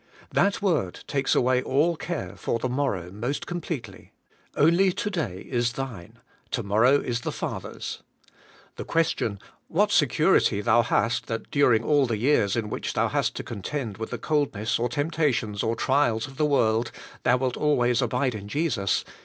That word takes away all care for the morrow most completely. Only to day is thine; to morrow is the Father's. The question: What security thou hast that during all the years in which thou hast to contend with the 110 ABIDE IN CHRIST: coldness, or temptations, or trials of the world, thou wilt always abide in Jesus?